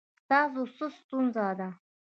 ستاسو څه ستونزه ده؟